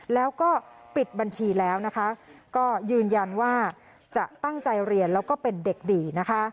แล้วก็ปิดบัญชีแล้วนะคะก็ยืนยันว่าจะตั้งใจเรียนแล้วก็เป็นเด็กดีนะคะ